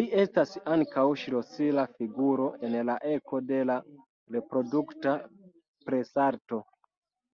Li estas ankaŭ ŝlosila figuro en la eko de la reprodukta presarto.